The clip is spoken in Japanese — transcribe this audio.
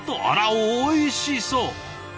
あらおいしそう！